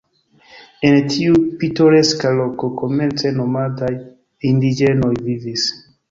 En tiu pitoreska loko komence nomadaj indiĝenoj vivis.